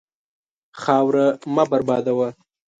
خاوره مه بربادوه.